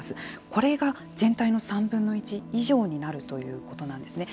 これが全体の３分の１以上になるということなんですね。